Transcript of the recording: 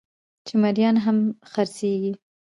چې مريان هم خرڅېږي